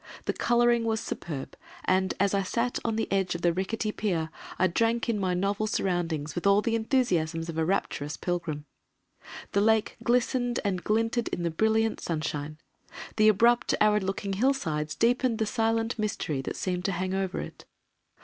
The colouring was superb and, as I sat on the edge of the rickety pier, I drank in my novel surroundings with all the enthusiasms of a rapturous pilgrim. The Lake glistened and glinted in the brilliant sunshine, the abrupt arid looking hill sides deepened the silent mystery that seemed to hang over it.